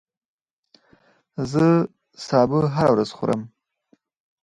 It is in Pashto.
زه سابه هره ورځ خورم